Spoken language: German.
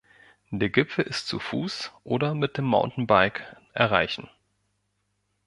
Der Gipfel ist zu Fuß oder mit dem Mountainbike erreichen.